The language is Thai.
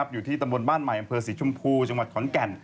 อยู่ที่ตำบลบ้านใหม่อำเภอศรีชมพูจังหวัดขอนแก่น